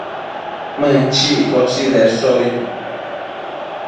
Mënchiccoshi bëshobi